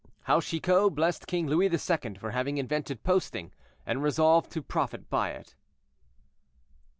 HOW CHICOT BLESSED KING LOUIS II. FOR HAVING INVENTED POSTING, AND RESOLVED TO PROFIT BY IT.